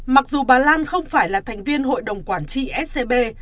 mặc dù bà lan không phải là thành viên hội đồng quản trị scb